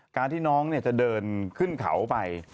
การที่น้องจะเดินขึ้นเขาไป